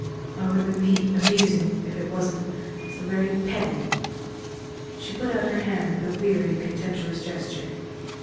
Oh, it would be amusing, if it wasn't so very petty!" She put out her hand with a weary, contemptuous gesture.